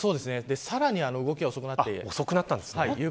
さらに動きが遅くなっています。